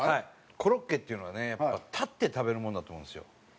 コロッケっていうのはねやっぱ立って食べるもんだと思うんですよ。